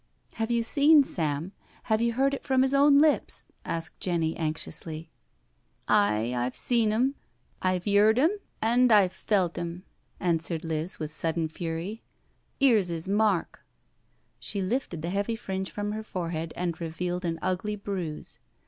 " Have you seen Sam? Have you heard it from his own lips?" asked Jenny anxiously » 10 NO SURRENDER '• Aye. I've seen 'im— IVe yeard 'im, an* I've felt 'im/' answered Liz, with sudden fury. " '£re*s 'is mark." She lifted the heavy fringe from her forehead and revealed an ugly bruise.